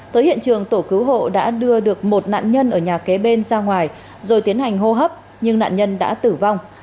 tới hiện trường tổ cứu hộ đã đưa được một nạn nhân ở nhà kế bên ra ngoài rồi tiến hành hô hấp nhưng nạn nhân đã tử vong